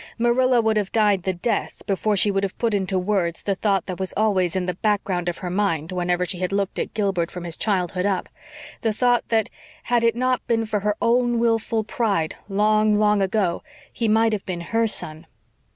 Marilla would have died the death before she would have put into words the thought that was always in the background of her mind whenever she had looked at Gilbert from his childhood up the thought that, had it not been for her own wilful pride long, long ago, he might have been HER son.